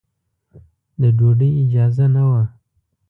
د ډوډۍ اجازه نه وه.